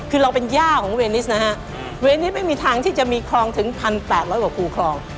คือเราเป็นย่าของเวนิสนะฮะเวนิสไม่มีทางที่จะมีคลองถึง๑๘๐๐กว่าคู่คลอง